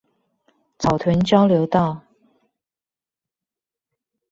草屯交流道